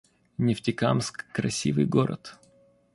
Нефтекамск — красивый город